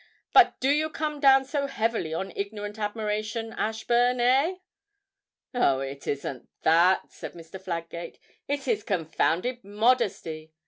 'But do you come down so heavily on ignorant admiration, Ashburn, eh?' 'Oh, it isn't that,' said Mr. Fladgate; 'it's his confounded modesty.